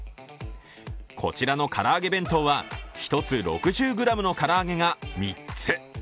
こちらの唐揚げ弁当は１つ６０ｇの唐揚げが３つ。